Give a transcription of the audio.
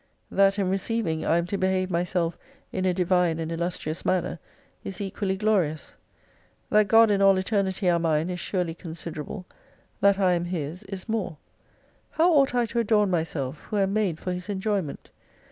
That in receiv ing I am to behave myself in a Divine and illustrious manner, is equally glorious. That God and all Eternity are mine is surely considerable : that I am His, is more. How ought I to adorn myself, who am made for his enjoyment